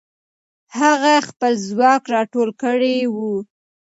هغه خپل ځواک راټول کړی وو.